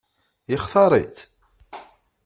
Yextaṛ-itt?